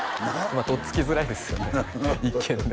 まあとっつきづらいですよね一見ね